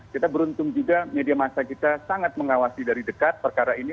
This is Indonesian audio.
kita beruntung juga media masa kita sangat mengawasi dari dekat perkara ini